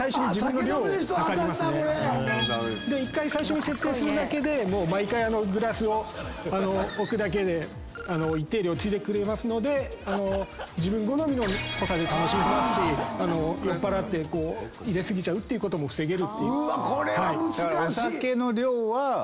１回最初に設定するだけで毎回グラスを置くだけで一定量ついでくれますので自分好みの濃さで楽しめますし酔っぱらって入れ過ぎちゃうっていうことも防げる。